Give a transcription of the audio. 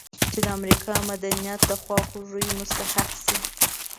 چې د امریکایي مدنیت د خواخوږۍ مستحق شي.